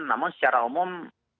namun secara umum